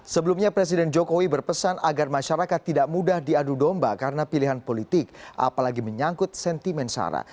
sebelumnya presiden jokowi berpesan agar masyarakat tidak mudah diadu domba karena pilihan politik apalagi menyangkut sentimen sara